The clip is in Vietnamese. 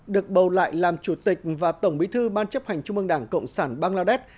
được bầu lại làm chủ tịch và tổng bí thư ban chấp hành chung mương đảng cộng sản bangladesh